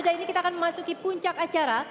ini kita akan memasuki puncak acara